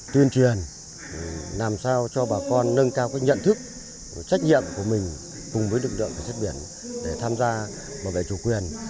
tuyên truyền làm sao cho bà con nâng cao nhận thức trách nhiệm của mình cùng với lực lượng cảnh sát biển để tham gia bảo vệ chủ quyền